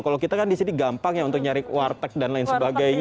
kalau kita kan di sini gampang ya untuk nyari warteg dan lain sebagainya